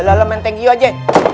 lelah lele main thank you aja